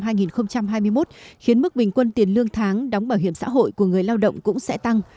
hệ số trượt giá năm hai nghìn hai mươi một khiến mức bình quân tiền lương tháng đóng bảo hiểm xã hội của người lao động cũng sẽ tăng